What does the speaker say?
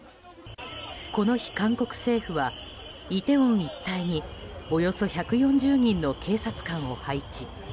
この日、韓国政府はイテウォン一帯におよそ１４０人の警察官を配置。